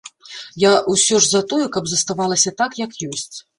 Я ўсё ж за тое, каб заставалася так, як ёсць.